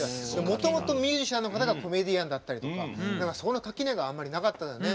もともとミュージシャンの方がコメディアンだったりとかそこの垣根があんまりなかったんだよね。